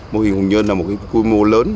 mô hình hùng nhơn là một quy mô lớn